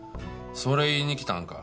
それ言いに来たんか？